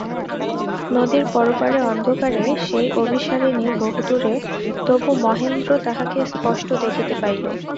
নদীর পরপারে অন্ধকারে সেই অভিসারিণী বহুদূরে–তবু মহেন্দ্র তাহাকে স্পষ্ট দেখিতে পাইল।